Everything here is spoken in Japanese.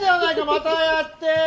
またやって。